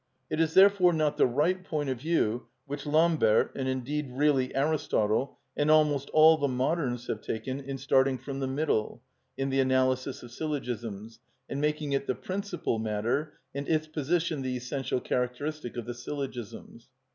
It is therefore not the right point of view which Lambert, and indeed really Aristotle, and almost all the moderns have taken in starting from the middle in the analysis of syllogisms, and making it the principal matter and its position the essential characteristic of the syllogisms.